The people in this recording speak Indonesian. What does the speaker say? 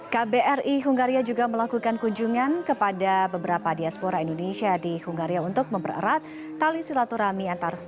kbri hungaria juga melakukan kunjungan kepada beberapa diaspora indonesia di hungaria untuk mempererat tali silaturahmi antar